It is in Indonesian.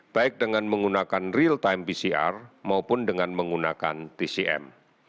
baik dengan menggunakan real time pcr maupun dengan menggunakan tcm